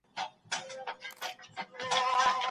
که درې عدد ياد سو، نو دا په درې طلاقه باندي طلاقه سوه.